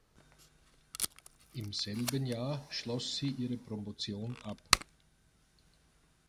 Im selben Jahr schloss sie ihre Promotion ab.